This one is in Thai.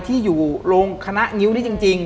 ที่อยู่โรงคณะงิ้วนี้จริง